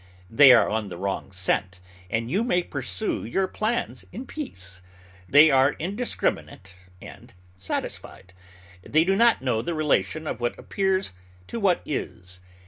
They are on the wrong scent, and you may pursue your plans in peace. They are indiscriminate and satisfied. They do not know the relation of what appears to what is.